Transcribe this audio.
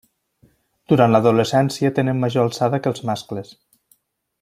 Durant l'adolescència tenen major alçada que els mascles.